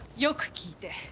よく聞いて。